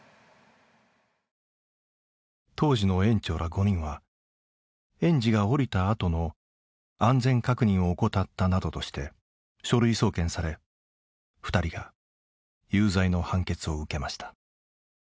当時の園長ら５人は園児が降りたあとの安全確認を怠ったなどとして書類送検され２人が有罪の判決を受けました。